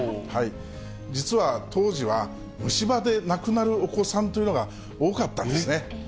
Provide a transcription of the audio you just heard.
実は当時は、虫歯で亡くなるお子さんというのが多かったんですね。